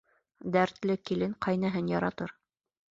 Дәртле килен ҡәйнәһен яратыр.